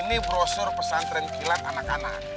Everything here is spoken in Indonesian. ini brosur pesantren kilat anak anak